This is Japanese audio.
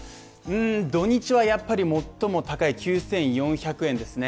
土日はやっぱり最も高い９４００円ですね。